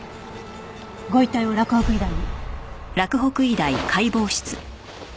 ご遺体を洛北医大に。